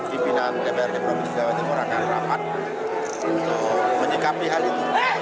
pimpinan dprd provinsi jawa timur akan rapat untuk menyikapi hal itu